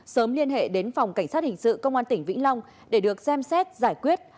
sớm liên hệ đến phòng cảnh sát hình sự công an tỉnh vĩnh long để được xem xét giải quyết